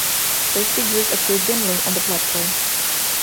Their figures appeared dimly on the platform.